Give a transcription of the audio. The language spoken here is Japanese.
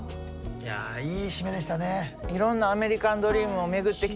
いやいい締めでしたね。